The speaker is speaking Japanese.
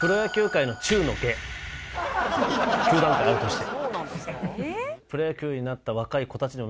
９段階あるとして。